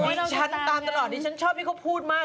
ภูมินองค์สำคัญต่ำตลอดทีชั้นชอบที่เขาพูดมาก